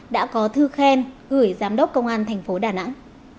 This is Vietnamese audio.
đã có thư khen gửi giám đốc công an tp đà nẵng